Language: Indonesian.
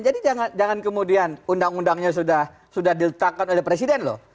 jadi jangan kemudian undang undangnya sudah diletakkan oleh presiden loh